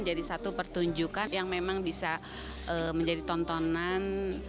jadi satu pertunjukan yang memang bisa menjadi tontonan menginspirasi layang karena ayo pertama